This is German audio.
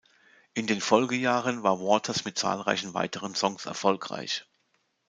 In den Folgejahren war Waters mit zahlreichen weiteren Songs erfolgreich.